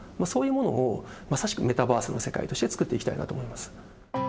そういうものをまさしくメタバースの世界として作っていきたいなと思います。